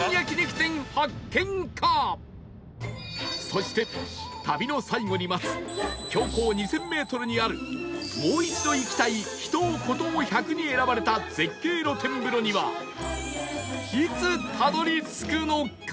そして旅の最後に待つ標高２０００メートルにある『もう一度行きたい秘湯・古湯１００』に選ばれた絶景露天風呂にはいつたどり着くのか？